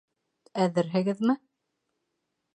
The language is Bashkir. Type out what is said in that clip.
Әҙерһегеҙме?